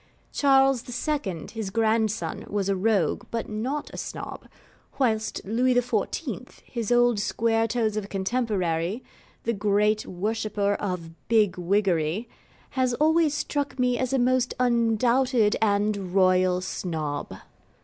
Charles II., his grandson, was a rogue, but not a Snob; whilst Louis XIV., his old squaretoes of a contemporary, the great worshipper of Bigwiggery has always struck me as a most undoubted and Royal Snob.